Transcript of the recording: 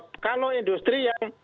tapi kalau industri yang